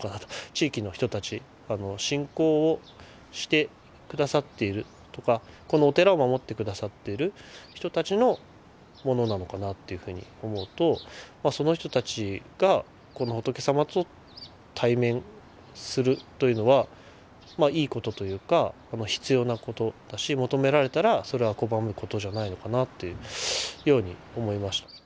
地域の人たち信仰をして下さっているとかこのお寺を守って下さっている人たちのものなのかなっていうふうに思うとその人たちがこの仏様と対面するというのはまあいいことというか必要なことだし求められたらそれは拒むことじゃないのかなっていうように思いました。